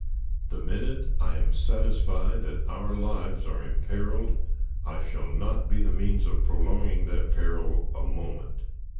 The minute I am satisfied that our lives are imperiled, I shall not be the means of prolonging that peril a moment.